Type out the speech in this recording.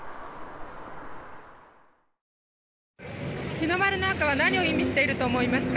日の丸の赤は何を意味していると思いますか？